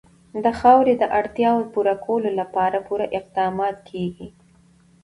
د خاورې د اړتیاوو پوره کولو لپاره پوره اقدامات کېږي.